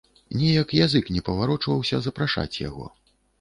Неяк язык не паварочваўся запрашаць яго.